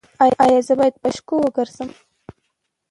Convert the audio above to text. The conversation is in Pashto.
ایا زه باید په شګو وګرځم؟